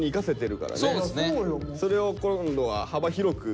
それを今度は幅広く。